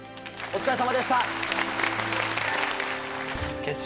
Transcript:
お疲れさまでした！